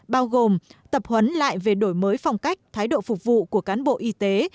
bao gồm tập huấn lại về đổi mới phong cách thái độ phục vụ của cán bộ y tế